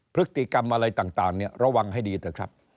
พฤติกรรมอะไรต่างเนี่ยระวังให้ดีเถอะครับ